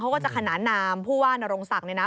เขาก็จะขนานนามผู้ว่านรงศักดิ์เนี่ยนะ